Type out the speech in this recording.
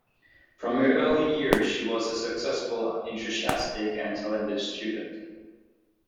From her early years she was a successful, enthusiastic, and talented student.